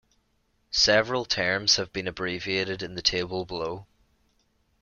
Several terms have been abbreviated in the table below.